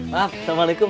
maaf assalamualaikum bu